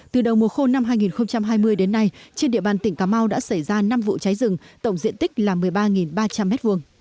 từ đầu mùa khô năm hai nghìn hai mươi đến nay trên địa bàn tỉnh cà mau đã xảy ra năm vụ cháy rừng tổng diện tích là một mươi ba ba trăm linh m hai